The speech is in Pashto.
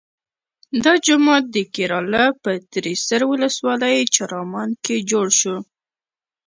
دا جومات د کیراله په تریسر ولسوالۍ چرامان کې جوړ شو.